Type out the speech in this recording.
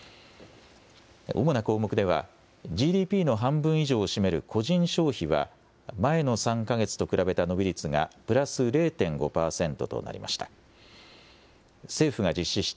主な項目では、ＧＤＰの半分以上を占める個人消費は前の３か月と比べた伸び率がプラス０．５％となりました。